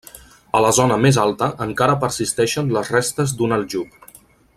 A la zona més alta encara persisteixen les restes d'un aljub.